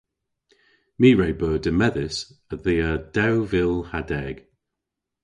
My re beu demmedhys a-dhia dew vil ha deg.